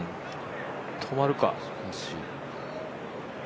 止まるか。